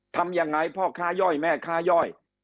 ทำยังไงพ่อค้าย่อยแม่ค้าย่อย